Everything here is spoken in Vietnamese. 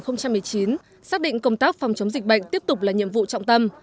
năm hai nghìn một mươi chín xác định công tác phòng chống dịch bệnh tiếp tục là nhiệm vụ trọng tâm